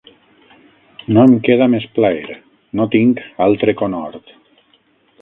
No em queda més plaer, no tinc altre conhort.